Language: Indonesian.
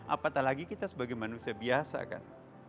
apatah lagi kita sebagai manusia biasa kan